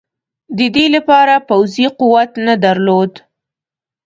د دې لپاره پوځي قوت نه درلود.